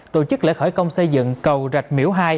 tổ chức lễ khởi công xây dựng cầu rạch miễu hai